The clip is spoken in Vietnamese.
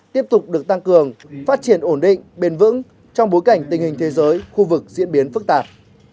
tiếp tục được tăng cường phát triển ổn định bền vững trong bối cảnh tình hình thế giới khu vực diễn biến phức tạp